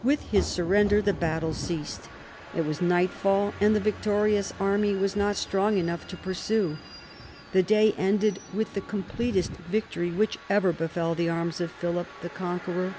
With his surrender the battle ceased. It was nightfall, and the victorious army was not strong enough to pursue. The day ended with the completest victory which ever befell the arms of Philip the Conqueror.